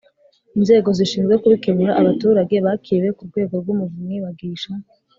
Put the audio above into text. Inzego zishinzwe kubikemura abaturage bakiriwe ku rwego rw umuvunyi bagisha